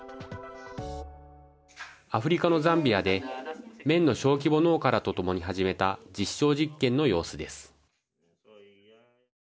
アフリカのザンビアで綿の小規模農家らとともに始めた実証実験の様子です。